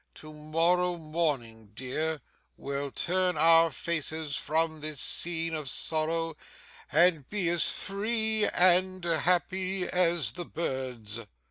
To morrow morning, dear, we'll turn our faces from this scene of sorrow, and be as free and happy as the birds.